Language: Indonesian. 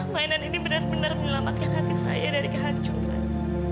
mainan ini benar benar menyelamatkan hati saya dari kehancuran